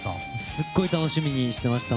すごい楽しみにしていました。